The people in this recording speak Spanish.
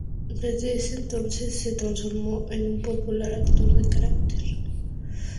Desde ese entonces se transformó en un popular "actor de carácter".